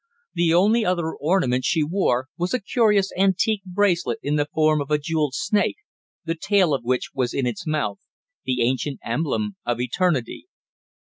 The only other ornament she wore was a curious antique bracelet in the form of a jewelled snake, the tail of which was in its mouth the ancient emblem of Eternity.